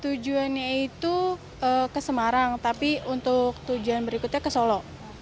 tujuannya itu ke semarang tapi untuk tujuan berikutnya ke solo